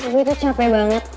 gue itu capek banget